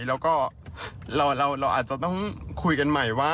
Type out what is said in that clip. เราก็เราเราอาจจะต้องคุยกันใหม่ว่า